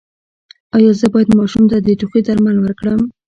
ایا زه باید ماشوم ته د ټوخي درمل ورکړم؟